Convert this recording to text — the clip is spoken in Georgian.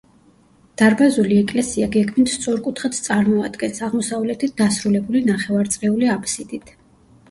დარბაზული ეკლესია გეგმით სწორკუთხედს წარმოადგენს, აღმოსავლეთით დასრულებული ნახევარწრიული აბსიდით.